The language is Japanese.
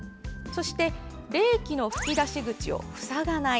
冷気の吹き出し口を塞がない。